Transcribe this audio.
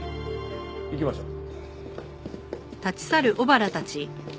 行きましょう。